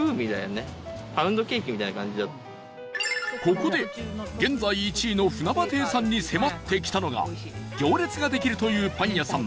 ここで、現在１位のふなば亭さんに迫ってきたのが行列ができるというパン屋さん